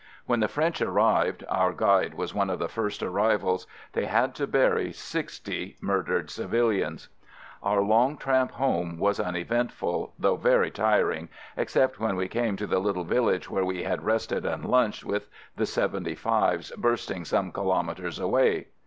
When the French arrived (our guide was one of the first arrivals) , they had to bury sixty mur dered civilians. Our long tramp home was uneventful, though very tiring — except when we came to the little village where we had rested and lunched with the "75's" bursting 140 AMERICAN AMBULANCE some kilometres away.